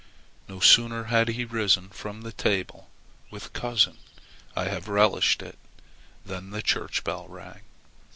No sooner had he risen from the table with "Cousin, I have relished it," than the church bell rang.